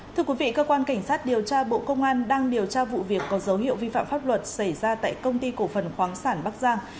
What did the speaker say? thưa quý vị cơ quan cảnh sát điều tra bộ công an đang điều tra vụ việc có dấu hiệu vi phạm pháp luật xảy ra tại công ty cổ phần khoáng sản bắc giang